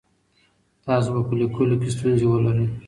تاسو به په لیکلو کي ستونزې ولرئ.